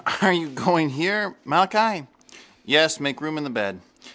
—Are you going in here, Malachi? —Yes. Make room in the bed.